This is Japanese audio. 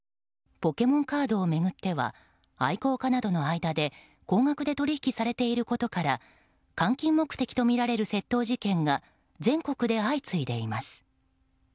ポケモンカードを巡っては愛好家などの間で高額で取引されていることから換金目的とみられる窃盗事件が全国で相次いでいます。